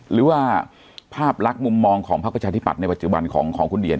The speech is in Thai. หรือว่าภาพลักษณ์มุมมองของพักประชาธิบัตย์ในปัจจุบันของคุณเดีย